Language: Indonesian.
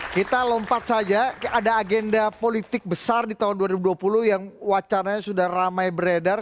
kita lompat saja ada agenda politik besar di tahun dua ribu dua puluh yang wacananya sudah ramai beredar